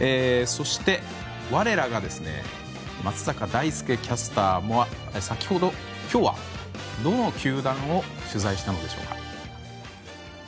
そして、我らが松坂大輔キャスターは今日はどの球団を取材したのでしょうか。